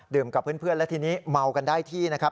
กับเพื่อนแล้วทีนี้เมากันได้ที่นะครับ